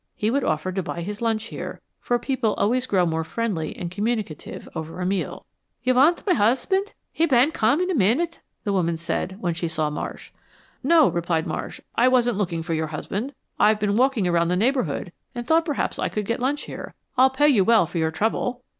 He would offer to buy his lunch here, for people always grow more friendly and communicative over a meal. "You want my husband? He bane come in a minute," the woman said, when she saw Marsh. "No," Marsh replied, "I wasn't looking for your husband. I've been walking around the neighborhood, and thought perhaps I could get lunch here. I'll pay you well for your trouble."